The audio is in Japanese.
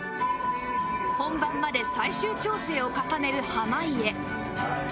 本番まで最終調整を重ねる濱家